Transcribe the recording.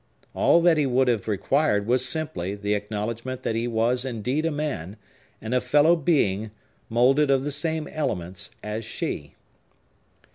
All that he would have required was simply the acknowledgment that he was indeed a man, and a fellow being, moulded of the same elements as she.